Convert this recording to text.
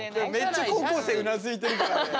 めっちゃ高校生うなずいてるからね。